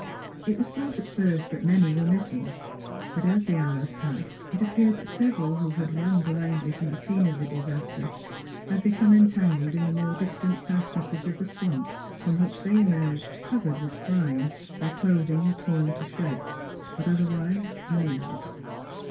It was thought at first that many were missing; but as the hours passed it appeared that several who had run blindly from the scene of the disaster had become entangled 3 o 4 NEIGHBORS in the more distant fastnesses of the swamp, from which they emerged covered with slime, their clothing torn to shreds, but otherwise unin jured.